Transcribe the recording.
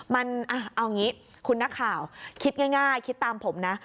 มันเอาอย่างนี้คุณนักข่าวคิดง่ายคิดตามผมนะ